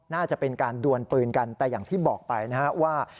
น่าจะเป็นการดวนปืนกันแต่อย่างที่บอกไปนะครับว่า